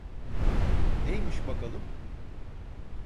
Neymiş bakalım?